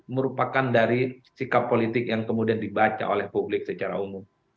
merupakan dari sikap politik yang kemudian dibaca oleh publik secara umum